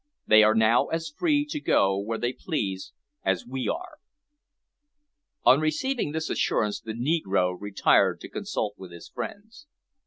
They are now as free to go where they please as we are." On receiving this assurance the negro retired to consult with his friends.